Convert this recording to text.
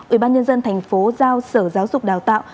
ủy ban nhân dân thành phố giao sở giáo dục đào tạo